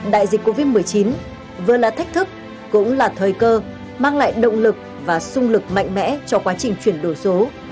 đại dịch covid một mươi chín vừa là thách thức cũng là thời cơ mang lại động lực và sung lực mạnh mẽ cho quá trình chuyển đổi số